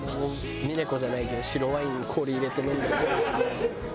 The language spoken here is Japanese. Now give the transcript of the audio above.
峰子じゃないけど白ワインに氷入れて飲んだりとかするの。